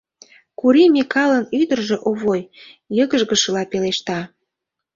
— Кури Микалын ӱдыржӧ, Овой, йыгыжгышыла пелешта.